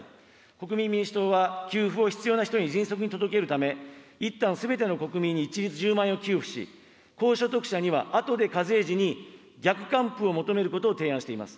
国民民主党は、給付を必要な人に迅速に届けるため、いったん、すべての国民に一律１０万円を給付し、高所得者にはあとで課税時に逆還付を求めることを提案しています。